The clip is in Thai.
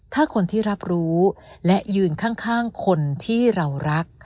ถ้าคนที่รับรู้และยืนข้างคนที่เรารัก